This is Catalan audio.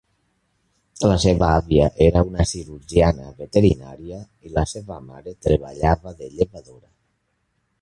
La seva àvia era una cirurgiana veterinària, i la seva mare treballava de llevadora.